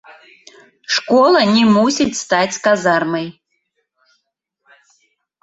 Школа не мусіць стаць казармай.